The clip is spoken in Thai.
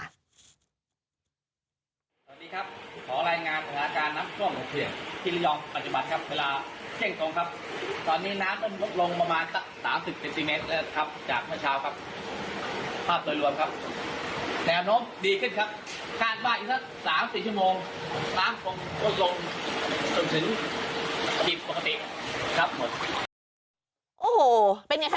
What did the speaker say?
โอ้โหเป็นไงคะดอม